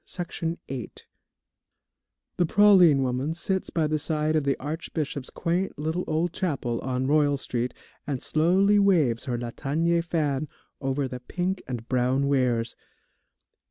THE PRALINE WOMAN The praline woman sits by the side of the Archbishop's quaint little old chapel on Royal Street, and slowly waves her latanier fan over the pink and brown wares.